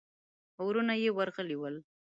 وروڼه يې ورغلي ول.